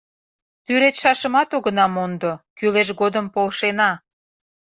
Тӱредшашымат огына мондо, кӱлеш годым полшена.